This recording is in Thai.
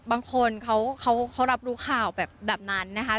บางคนเขารับรู้ข่าวแบบนั้นนะคะ